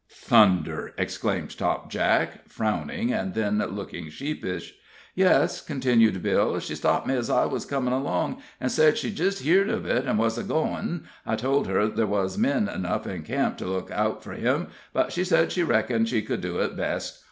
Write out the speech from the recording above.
"Thunder!" exclaimed Topjack, frowning, and then looking sheepish. "Yes," continued Bill; "she stopped me ez I wuz comin' along, an' sed she'd jist heerd of it, an' was a goin'. I tol' her ther' wuz men enough in camp to look out fur him, but she said she reckoned she could do it best.